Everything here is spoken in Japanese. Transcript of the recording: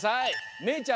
めいちゃん